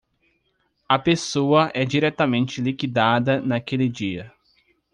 A pessoa é diretamente liquidada naquele dia.